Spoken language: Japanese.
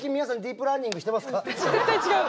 絶対違う。